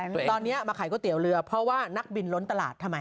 ตอนนี้มาขายก๋วยเตี๋ยวเรือเพราะว่านักบินล้นตลาดทำไม